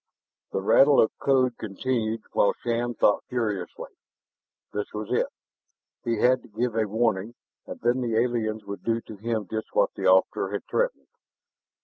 The rattle of code continued while Shann thought furiously. This was it! He had to give a warning, and then the aliens would do to him just what the officer had threatened.